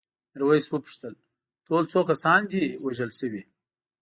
میرويس وپوښتل ټول څو کسان دي وژل شوي؟